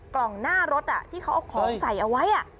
กล่องหน้ารถที่เขาเอาของใส่เอาไว้